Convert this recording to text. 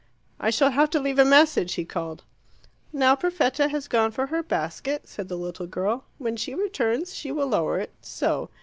"I shall have to leave a message," he called. "Now Perfetta has gone for her basket," said the little girl. "When she returns she will lower it so.